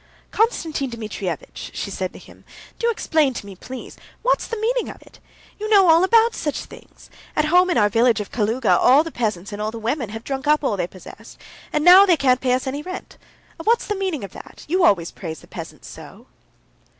"Konstantin Dmitrievitch," she said to him, "do explain to me, please, what's the meaning of it. You know all about such things. At home in our village of Kaluga all the peasants and all the women have drunk up all they possessed, and now they can't pay us any rent. What's the meaning of that? You always praise the peasants so."